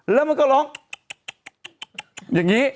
แล้วมันก็ร้องอย่างนี้